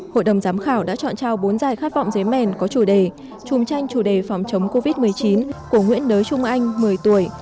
hội đồng giám khảo đã chọn trao bốn giải khát vọng giấy mèn có chủ đề chung tranh chủ đề phòng chống covid một mươi chín của nguyễn đới trung anh một mươi tuổi